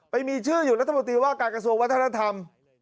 ไปมีชื่ออยู่รัฐมนตรีว่าการกระทรวงวัฒนธรรม